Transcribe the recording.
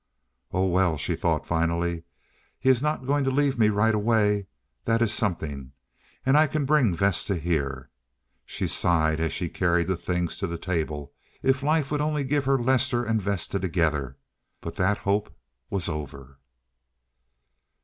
"Oh, well," she thought finally, "he is not going to leave me right away—that is something. And I can bring Vesta here." She sighed as she carried the things to the table. If life would only give her Lester and Vesta together—but that hope was over.